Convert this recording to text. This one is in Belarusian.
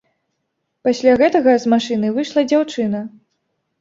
Пасля гэтага з машыны выйшла дзяўчына.